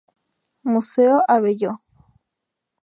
Museo Abelló